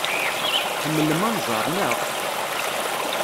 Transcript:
Tḥemmlem anẓar, naɣ?